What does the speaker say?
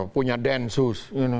punya den sus